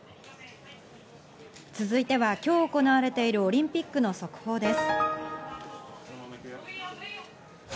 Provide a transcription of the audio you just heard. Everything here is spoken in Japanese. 続いては今日行われているオリンピックの速報です。